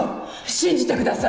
信じてください。